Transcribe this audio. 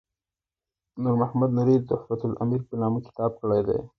نور محمد نوري تحفة الامیر په نامه کتاب کړی دی.